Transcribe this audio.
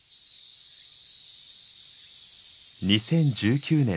２０１９年夏。